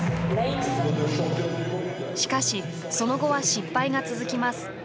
しかし、その後は失敗が続きます。